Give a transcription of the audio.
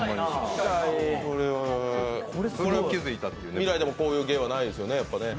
未来でもこういう芸はないですよね？